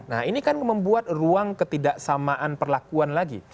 nah ini kan membuat ruang ketidaksamaan perlakuan lagi